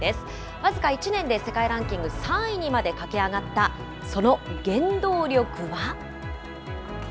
僅か１年で世界ランキング３位にまで駆け上がった、その原動力は。